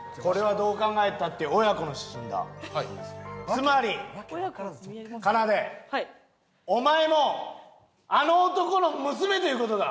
つまりかなでお前もあの男の娘という事だ！